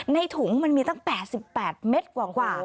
ในถุงมันมีตั้ง๘๘เม็ดกว่า